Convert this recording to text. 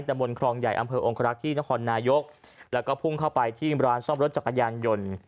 บนครองใหญ่อำเภอองครักษ์ที่นครนายกแล้วก็พุ่งเข้าไปที่ร้านซ่อมรถจักรยานยนต์